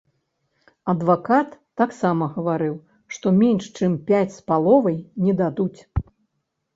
Адвакат таксама гаварыў, што менш чым пяць з паловай не дадуць.